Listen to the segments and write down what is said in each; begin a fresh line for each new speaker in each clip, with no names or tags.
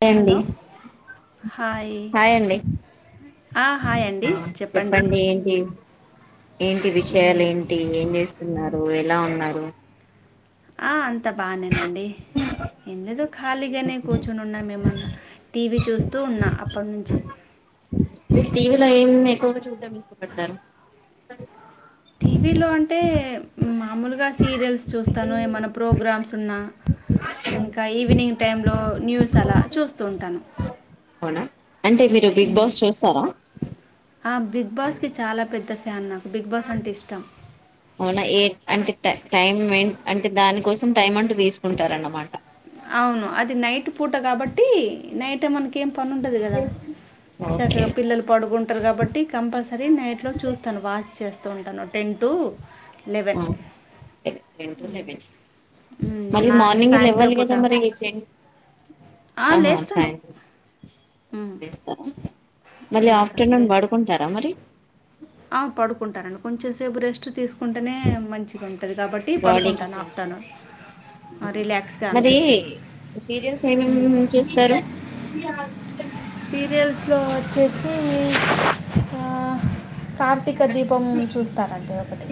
Hi అండి
hello
hi అండి
ఆ, హాయ్ అండి
చెప్పండి ఏంటి ఏంటి విషయాలు
ఏం-
ఏంటి ఏం చేస్ స్తున్నారు ఎలా ఉన్నారు
ఆ అంతా బానేను నండి ఎందుదో ఖాళీగానే కూర్చొని ఉన్నాము ఏమన్నా టీ వీ చూస్తూ ఉన్నా అప్పటినుంచి
టీ వీ లో ఏమి ఎక్కువగా చూడం ఇష్టపడతారు
టీ వీ లో అంటే మ్మ్ మా మామూలుగా సీరియల్స్ చూస్తాను ఏమైనా ప్రోగ్రామ్స్ తున్నా ఇంకా ఈవినింగ్ టైమ్ లో న్యూస్ అలా చూస్తూ ఉంటాను
పోనా అంటే మీరు బిగ్
ఉమ్.
బాస్ చూస్తారా
ఆ బిగ్ బాస్కీ చాలా పెద్ద ఫ్యాన్ నాకు బిగ్ బాస్ అంటే ఇష్టం
అవునా ఏ అంటే టె టైం మెన్ అంటే దానికోసం టైం అంటూ తీసుకుంటారన్నమాట
అవును అది నైట్ పూట కాబట్టి నైట్ మనకి ఏం పని ఉండదు గదా
ఓకే
చక్కగా పిల్లలు పడుకుంటారు కాబట్టి కంపల్సరీ నైట్లో చూస్తాను వాచ్ చేస్తాను తుంటన్నను ten to eleven
ten to
hmm
eleven మళ్ళీ
నా
మార్నింగ్
సాయంత్రం
లెవ్వాలి
పూట
మరి ఏమి
ఆ,
టెన్
లేస్తాను
సాయంత్రం
ఉమ్,
[unintelligible] మరి
లేస్తాను
ఆఫ్టర్నూన్
లేచి
పడుకుంటారా మరి
రేపు రెస్ట్ తీస్ కుంటేనే మంచిగా ఉంటుంది కాబట్టి
బాడీకి
పడుకుంటాను
కొంచెం
ఆఫ్టర్నూన్ రిలాక్స్గా గా
ఎల్లి సీరియల్స్ ఏమేం చూస్తారు
సీరియల్స్ లో వచ్చే చ్చి ఆ కార్తీక దీపం చూస్తానండి ఒకటి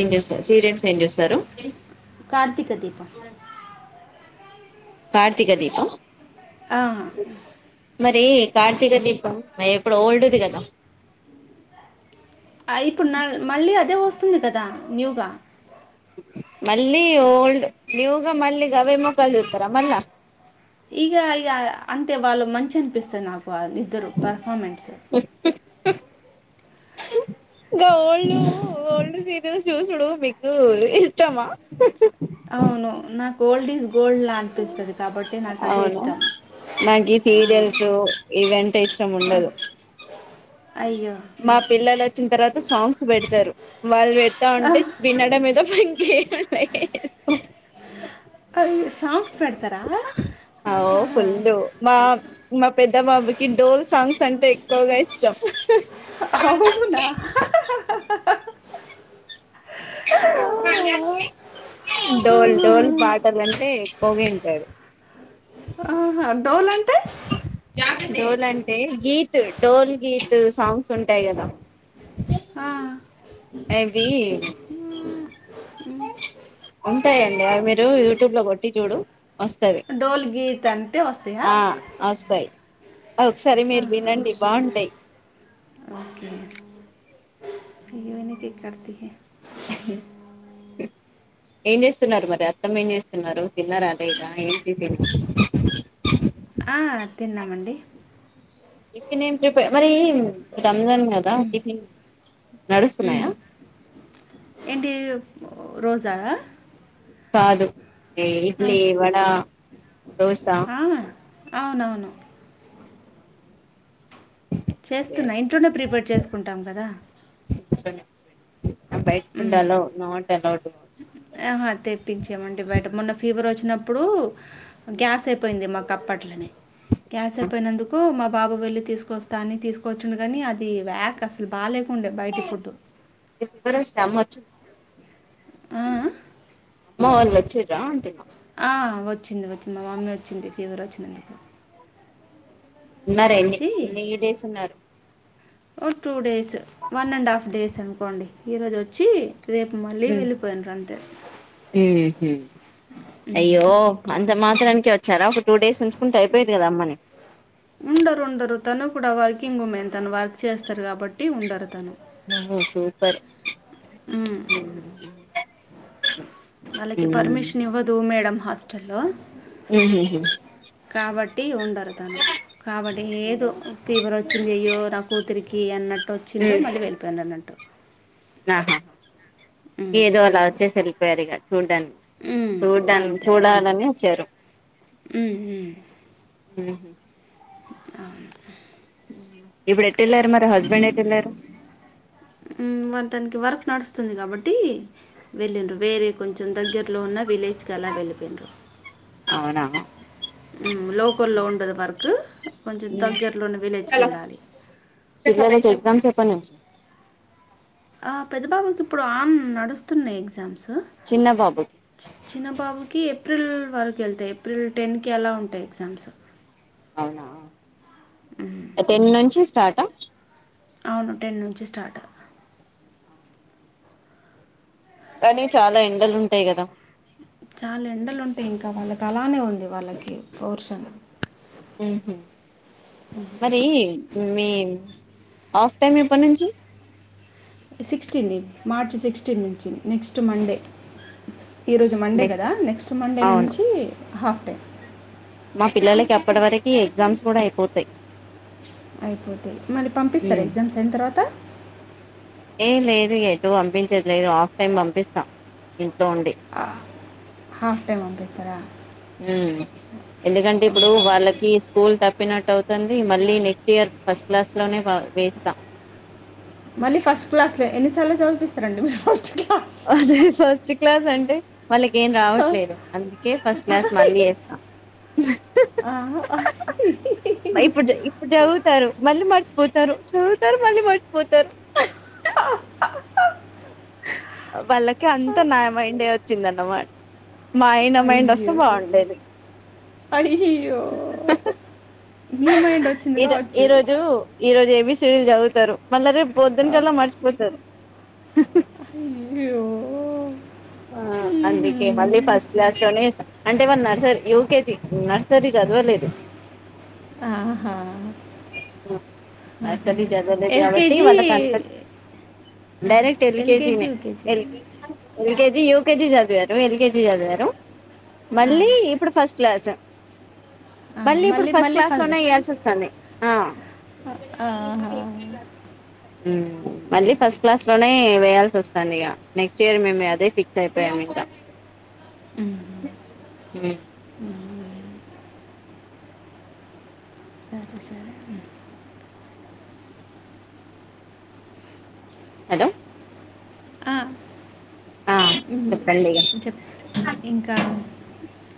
ఏం చేూస్తారు సీరియన్స్ ఏం చేస్తారు
కార్తీక దీపం
కార్తీక దీపం మరి కార్తీక దీపం మరి ఇప్పుడు ఓల్డ్ ది కదా
ఇప్పుడు మళ్ళీ అదే వస్తు వస్తుంది కదా న్యూగా
మళ్ళీ ఓల్డ్ న్యూ గా మళ్ళీ గవే మోకాలు చూస్తారా మల్ల
ఇంగా ఇంగా అంతే వాళ్ళు మంచి అనిపిస్తారు నాకు ఇద్దరు పర్ మూమెంట్స్
ను చూసుడు మీకు ఇష్టమా
అవును నా గోల్డ్స్
అవును
ఇష్టం
నాకు
ఆ,
సీరియల్స్ ఇవి అంటే ఇష్టం ఉండదు.
అయ్యో
మా పిల్లలు వచ్చిన తర్వాత సాంగ్స్ పెడతారు. వాళ్ళు పెడతా ఉంటే వినడం మీద పనికి
అయ్యో సాంగ్స్ పెడతారా
అ
ఆహా.
ఫుల్లు మా మా పెద్ద బాబుకి డోల్ సాంగ్స్ అంటే ఎక్కువగా ఇ చెప్ప
అవునా ఆహా.
డోల్ డోల్
ఆహా.
బాటల్ అంటే పోగింటారు
ఆహా డోల్ అంటే
డోల్ అంటే గీత్ డోల్ గీత్ సాంగ్స్ ఉంటాయి కదా
ఆ
అవి ఉంటాయండి అవి మీరు యూట్యూబ్ లో కొట్టి చూడు వస్తుంది
డోల్ గీత్ అంటే వస్తాయా
ఆ వస్తాయి ఒకసారి మీరు
ఆహా.
వినండి బాగుంటాయి
ఓకే నిక కతి
ఏం చేస్తున్నారు మరి అత్తమ్మ ఏం చేస్తున్నారు. చిన్నరా అదే ఇద ఏంటితే
ఆ తిన్నామండి
టిఫిన్ ఏం ప్రిపేర్ మరి రంజాన్ కదా టిఫిన్
హ్మ్.
నడుస్తున్నాయా
ఏంటి రోజా
కాదు
ఆ!
ఇడ్లీ వడ దోస
ఆ! అవునవును
అదే
చేస్తున్నా ఇంట్లోనే ప్రిపేర్ చేసుకుంటాం కదా
పెడి
మ్మ్
కావచ్చు.
ఆహా తెప్పించేమండి బయట మొన్న ఫీవర్ వచ్చినప్పుడు నప్పుడు గ్యాస్ అయిపోయింది మాకు అప్పట్లనే గ్యాస్ అయిపోయినందుకు మా బాబు వెళ్లి తీసుకొస్తా అని తీసుకొచ్చుండు గాని అది వ్యాక్ అసలు బాలేదు
ఫవరస్ మ
ఆ
మా వాళ్ళు వచీరా అంటునా
ఆ వచ్చింది వచ్చింది మా మమ్మీ వచ్చింది ఫీవర్ వచ్చినందుకు
ఉన్నారు ఎన్ని ఎన్ని డేస్ ఉన్నారు
ఓ two days one and half days అనుకోండి ఈరోజ వచ్చి రేపు మళ్ళీ వెళ్ళిపోయిరూ అంతే
మ్మ్ హ్మ్
ఉమ్,
అయ్యో
ఎక్కువ
అంత
వాళ్ళు.
మాత్రానికే వచ్చారా ఒక టూ డేస్ ఉంచుకుంటే అయిపోయేది కదా అమ్మని
ఉండరు ఉండరు తను కూడా వర్కింగ్ ఉమెన్ తను వర్క్ చేస్తారు కాబట్టి ఉండరు తను ఉమ్,
[inaudible]
వాళ్ళకి పర్మిషన్ ఇవ్వదు మేడం హాస్టల్లో కాబట్టి ఉండరు తను కాబట్టి ఫీవర్ వచ్చింది అయ్యో నా కూతురికి కే అన్న అ వచ్చిరూ మళ్ళీ వెళ్ళిపోయి అన్నంటు
ఆహాహ
ఉమ్,
ఏదో అలా వచ్చేసరి వెరీ గుడ్ చూడ్డాన్ని
ఉమ్,
చూడా
అంతే
చూడాలని వచ్చారు
ఉమ్,
మ్మ్ హ్మ్
ఆ
ఇప్పుడే టలర్ మరి హస్బెండ్ ఏటు వెళ్లారు
మ్మ్, మరి తనకి వర్క్ నడుస్తుంది గాబట్టి వెళ్ళిండ్రు వేరే కొంచం దగ్గర్లో ఉన్న విలేజ్ అలా వెళ్ళి పెయిండ్రు
అవునా
ఉమ్ లోకోల్లో ఉండదు వరకు కొంచం దగ్గర్లోన్న విలేజ్కి ఎళ్ళాలి
ఎప్పడ్ నుంచి
ఆ పెద్ద బాబుకి ఇప్పుడు ఆన్ నడుస్తున్నాయి ఎగ్జామ్స్
చిన్న బాబు
చిన్నబాబుకి ఏప్రిల్ వరకు ఎళ్తాయి ఏప్రిల్ టెన్కి అలా ఉంటాయి ఎగ్జామ్స్
అవునా ఏ టెన్ నుంచిస్ తాట
అవును టెన్ నుంచి స్టార్ట్
కానీ చాలా ఎండలు ఉంటాయి గదా
చాలా ఎండలు ఉంటాయి ఇంక వాళ్ళక్ అలానే ఉంది వాళ్ళకి పోర్షన్
ఊహు మరీ మీ ఆఫ్ టైమ్ ఎప్పడ్ నుంచి
సిక్స్టీన్ నీ మార్చ్ సిక్స్టీన్ నుంచి నెక్స్ట్ మండే ఈరోజు మండే గదా నెక్స్ట్ మండే
అవును
నించి హాఫ్ డే
మా పిల్లలకి అప్పట వరకి ఎగ్జామ్స్ గుడ అయిపోతై
అయిపోతాయి మళ్ళీ పంపిస్తర ఎగ్జామ్స్ అయిన తర్వాత
ఏ లేదు ఎటు అంపించేది లేదు హాఫ్ టైమ్ పంపిస్తా ఇమ్
ఆ హాఫ్ టైమ్ పంపిస్ కరా
ఊ ఎందుకంటే ఇప్పుడు వాళ్ళకి స్కూల్ తప్ ప్పినట్ అవుతాంది మళ్ళీ నెక్స్ట్ ఇయర్ ఫస్ట్ క్లాస్ లోనే వా వేచ్తా
మళ్ళీ ఫస్ట్ క్లాస్లే ఎన్నిసార్లు చదువ్ పిస్తరండి మీరు ఫస్ట్ క్లా
అదే ఫస్ట్ క్లాస్ అంటే వాళ్ళకి ఏం రావట్లేదు అందుకే ఫస్ట్ క్లాస్ మళ్ళీ ఏస్తా బై ఇప్పుడ్ జ ఇప్పుడు జదువుతారు మళ్ళీ మర్చిపోతారు చూ టరు మళ్ళీ మర్చిపోతారు ఆ వళ్ళకి అంత నా మైండే వచ్చిందన్నమాట్ మా అయన మైండ్ ఒస్తే
అయ్యో
బావుండేది
అయ్యో మీ మైండ్ ఒచ్చింది గావచ్చు
సీడిల్ జదువుతారు మళ్ళ రెప్ పొద్దున్ కళ్ళ మర్చిపోతరు
హయ్యో
ఆ అందికే మళ్ళి ఫస్ట్ క్లాస్ లోనే ఏస్తా అంటే మన నర్సర యువకేజ నర్సరీ చదవలేదు
ఆహా
బర్సలి చదవలేదు కాబట్టి
ఎల్కేజీ
వాళ్ళ కంత డైరెక్ట్
ఎల్కేజీ
ఎల్కేజీల్
యూకేజీ
ఎల్కజ ది యూ కేజది జా ఎల్ కేజీ గారు మళ్ళీ ఇప్పుడు ఫస్ట్ క్లాస్ మళ్ళీ ఇప్పుడు ఫస్ట్ క్లాస్ లోనే వేయాల్సి వస్తుంది
ఆహా.
మళ్ళీ ఫస్ట్ క్లాస్ లోనే వేయాల్సి వస్తాంది ఇగా నెక్స్ట్ చేరమండి అదే ఫిక్సయి టైం ఇంక ఉ
సరే సరే
అడ
ఆ
ఆ చెప్పండి
చెప్
ఇగ
ఇంకా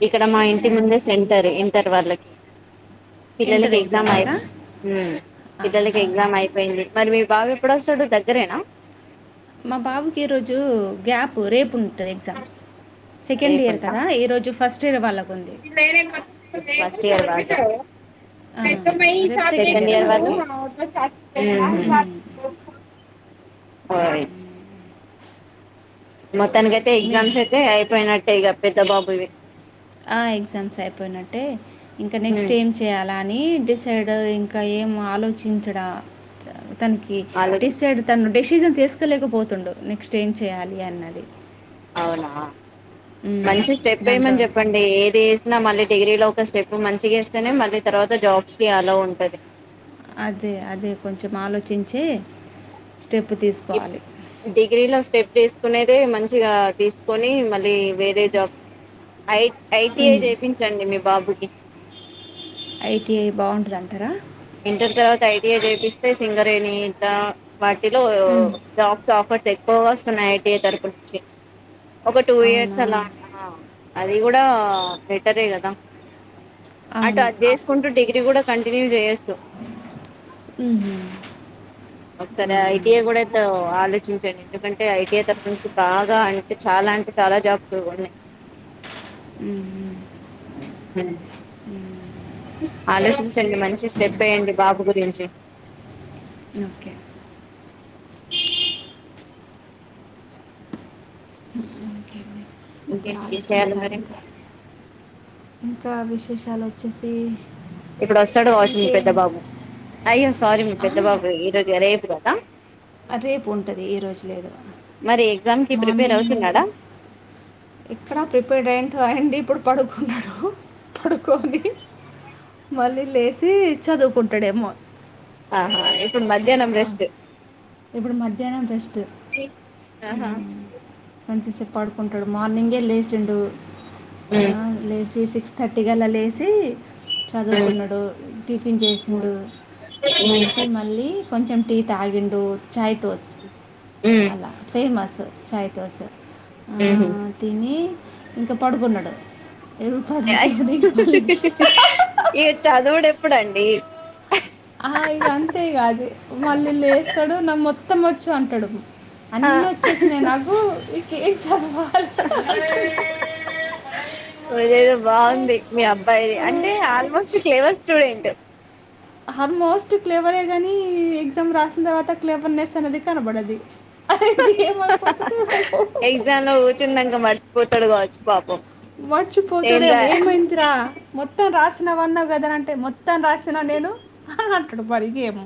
ఇక్కడ మా ఇంటి
మ్,
ముందే సెంటర్ ఇంటర్ వాళ్ళకి
ఇంటర్
పిల్లలకి ఎగ్జామ్ అయి
ఎగ్జామ్స్గా
ఉమ్ పిల్లలకి ఎగ్జామ్ అయిపోయింది మరి బాబ్ ఎప్పుడు వస్తాడు దగ్గరేనా
మా బాబుకి ఈ రోజూ గ్యాప్ రేపు ఉంది ఉంటది ఎగ్జామ్ సెకండ్ ఇయర్
రేపుందా
కదా ఈ రోజు ఫస్ట్ ఇయర్ వాళ్ళకు ఉంది
ఫస్ట్ ఇయర్ వాళ్ళు
ఆ,
సెకండ్ ఇయర్ వాళ్లు
మ్, మ్, అదే.
మొత్తానికైతే ఎగ్జామ్స్
మీ
అయితే అయిపోయినట్టే ఇగ పెద్ద బాబు దె
ఆ ఎగ్జామ్స్ అయిపోయినట్టే ఇంక నెక్స్ట్
ఉమ్
ఏం చేయాలా నీ డిసైడ్ ఇంకా ఏం ఆలోచించడా తనకి
వాళ్ళకి
డిసైడ్ తను డెసీషన్ తీసు కోలేకపోతుండు నెక్స్ట్ ఏం చేయ్యాలి అన్నది
అవునా
హ్మ్.
మంచి స్టెప్
దాంట్లో
ఏమని చెప్పండి ఏదీ మళ్ళీ డిగ్రీ లో ఒక స్టెప్ మంచిగ ఏస్తనే మళ్ళీ తర్వాత జాబ్స్ కి అల్లో ఉంటంది
చే
డిగ్రీలో స్టెప్ ఏసి కునేదే మంచిగా తీసుకొని మళ్ళీ వేరే జాబ్స్ ఐ ఐటీఐ
హ్మ్.
చేపిన్చండి మీ బాబు ఎ
ఐటీఐ బాగుంటదంటరా
ఇంటర్ తర్వాత ఐటీఐ చేపిస్తే సింగరేణి ఇట్లా వాటిలో
హ్మ్.
జాబ్స్ ఆఫర్స్ ఎక్ కువగ వస్తున్నాయి ఐటీఐ తరపు నుంచి ఒక టూ ఇయర్స్
అవునా?
అలా ఉంటా ద్ అది కూడా బెటరే కదా అటు
అవును.
అది చేసుకుంటూ డిగ్రీ కూడా కంటిన్యూ జేయొ
మ్మ్ హ్మ్
ఒకసర ఐటియ కూడా [unintelligible] చూరండి ఎందుకంటే ఐ టి ఏ తరపు నుంచి బాగా అంటే చాలా అంటే చాలా జాబ్స్ ఉన్నయ్.
మ్మ్ హ్మ్
మ్మ్
అ
ఆలోచించండి మంచి స్టెప్ వేయడి బాబు గురించి
ఓకే మ్మ్ ఓకే హ్
ఇంకేంటి విష్యాలు మరి
ఇంకా విశేషాలు వచ్చేసి
ఇప్పుడు వస్తాడు కావచ్చు మీ
ఇంకే
పెద్ద బాబు అయ్యా సారీ మీ పెద్ద బాబు ఈ రోజు రేపు గా అ
అ రేపు ఉంటది ఈ రోజు లేదు,
మరి ఎగ్జామ్ కి ప్రిపేర్
మార్నింగ్ నుంచి
అవుతున్నాడా
ఎక్కడ ప్రిపేర్డ్ అయింటో అండి ఇప్పుడు. పడుకున్నాడ పడుకొని మళ్ళీ లేసి చదువుకుంటడేమో.
ఆహా ప్పుడు మధ్యానం రెస్ట్
ఇప్పుడు మధ్యాహ్నం జస్
ఆహా
హ్మ్మ్ మంచి సేప్ పడుకుంటాడు మార్నింగే లేసిండు
ఉమ్
ఆ లేసి సిక్స్ తట్టిగల లేసి
ఉమ్
చదువుకున్నడు టిఫిన్ చేసిండు చేసి
ఉమ్
మళ్ళీ కొంచెం టీ తాగిండు ఛాయ్ తోస్ అలా ఫేమస్ చాయి తో సా ఆ
ఉమ్ ఉహు
తిని ఇంక పడుకున్నడు
ఏ చాదడే చూడండి
ఆ ఇగ అంతే ఈ అది మళ్ళ ఇల్ వేస్తాడు నమ్ మత్త మతవచ్చు అంటడు
ఆ
ఇక ఏం చదవాలి
ఇది ఏదో బాగుంది మీ అబ్బాయిది అంటే almost clever student too.
Almost క్లేవరే కానీ ఎగ్జామ్ రాసిన తర్వాత క్లేవర్నెస్ అనేది కనబడది. అది ఏం అయిపోతుందో ఏమో
తాడు కావచ్చు పాపం.
మర్చిపోతాడేమో
ఏంలే
ఏమైందిరా మొత్తం రాసి. న్నావు కదా రా అంటే మొ. త్తం రాసిన నేను. అక్కడ బల్గి ఏమో.